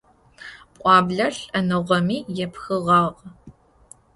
Пӏуаблэр лӏэныгъэми епхыгъагъ.